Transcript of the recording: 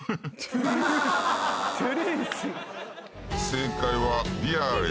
正解は。